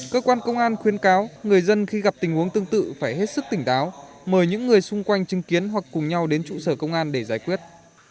cơ quan công an khuyên cáo người dân khi gặp tình huống tương tự phải hết sức tỉnh táo mời những người xung quanh chứng kiến hoặc cùng nhau đến trụ sở công an để giải quyết